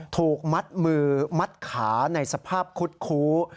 ถูกมัดมือมัดขาในสภาพคุดคู้